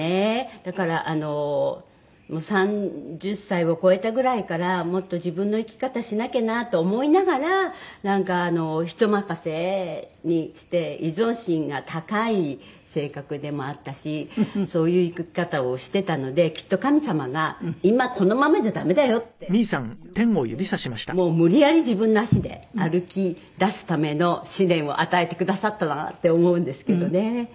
だからあの３０歳を超えたぐらいからもっと自分の生き方しなきゃなと思いながらなんか人任せにして依存心が高い性格でもあったしそういう生き方をしてたのできっと神様が今このままじゃダメだよっていう事でもう無理やり自分の足で歩きだすための試練を与えてくださったんだなって思うんですけどね。